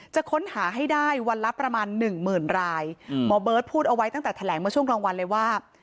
จะค้นหาให้ได้วันละประมาณหนึ่งหมื่นรายหมอเบิร์ตพูดเอาไว้ตั้งแต่แถลงเมื่อช่วงกลางวันเลยว่า